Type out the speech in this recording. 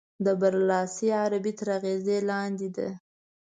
د برلاسې عربي تر اغېز لاندې ده.